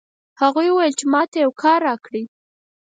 هغې وویل چې ما ته یو کار راکړئ